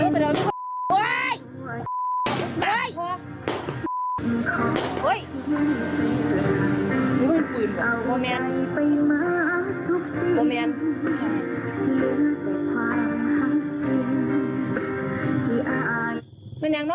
เขาต้องวิ่งส่วน